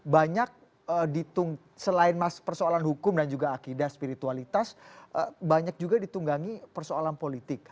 banyak ditunggang selain persoalan hukum dan juga akidah spiritualitas banyak juga ditunggangi persoalan politik